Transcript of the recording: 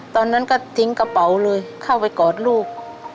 ตอนนั้นก็ทิ้งกระเป๋าเลยเข้าไปกอดลูก